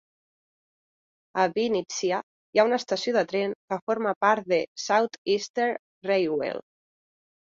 A Vínnitsia hi ha una estació de tren que forma part de South-Eastern Railiway.